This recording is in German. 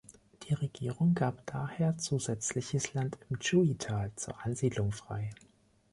Die Regierung gab daher zusätzliches Land im Tschui-Tal zur Ansiedlung frei.